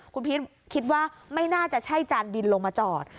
คุณพีชคิดว่าไม่น่าจะใช่จานบินลงมาจอด